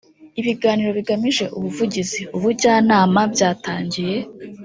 Ibiganiro bigamije ubuvugizi ubujyanama byatangiye